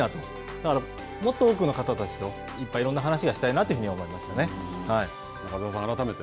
だから、もっと多くの方たちといっぱいいろんな話をしたいなとい中澤さん、改めて。